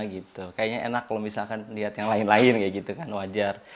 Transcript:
kayaknya enak kalau misalkan lihat yang lain lain kayak gitu kan wajar